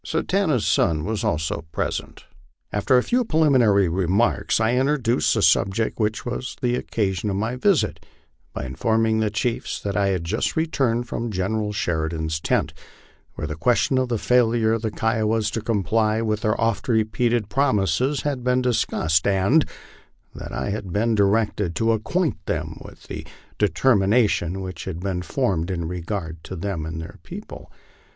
Satanta's son was also present. After a few preliminary remarks, I introduced the subject which was the occasion of my visit, by informing the chiefs that I had just returned from General Sheridan's tent, where the question of the failure of the Kiowas to comply with their oft repeated promises had been discussed, and that I had been directed to acquaint them with the determination which had been formed in regard to them and their people.